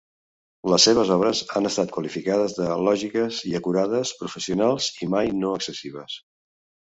Les seves obres han estat qualificades de lògiques i acurades, professionals i mai no excessives.